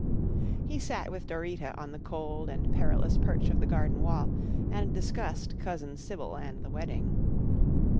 He sat with Dorita on the cold and perilous perch of the garden wall and discussed Cousin Sybil and the wedding.